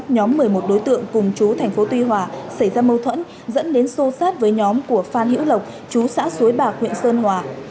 nhóm một mươi một đối tượng cùng chú thành phố tuy hòa xảy ra mâu thuẫn dẫn đến sô sát với nhóm của phan hữu lộc chú xã suối bạc huyện sơn hòa